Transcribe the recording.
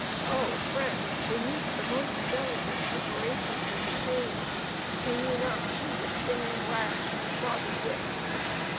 Oh, friend, beneath the most delicate preparations of the cane can you not see the stinging lash and clotted whip?